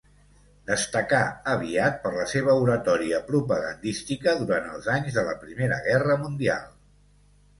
Destacà aviat per la seva oratòria propagandística durant els anys de la Primera Guerra Mundial.